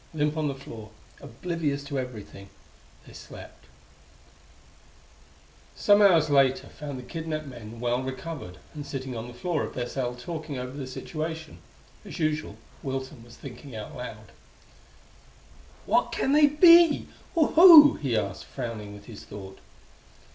Limp on the floor, oblivious to everything, they slept.... Some hours later found the kidnapped men well recovered and sitting on the floor of their cell talking over their situation. As usual, Wilson was thinking out loud. "What can they be? or who?" he asked, frowning with his thought.